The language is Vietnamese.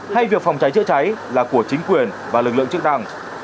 hay việc phòng cháy chữa cháy là của chính quyền và lực lượng chức năng